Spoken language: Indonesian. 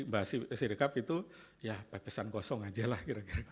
mbak sirekap itu ya pepesan kosong aja lah kira kira